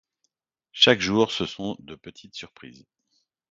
Chaque jour, ce sont de petites surprises.